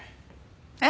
えっ？